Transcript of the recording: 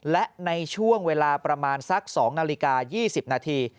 และในช่วงเวลาประมาณสักสองนาฬิกายี่สิบนาที